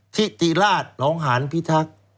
ทิติราชหนองหานพิทักษ์